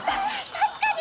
確かに！